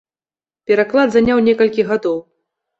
Пераклад заняў некалькі гадоў.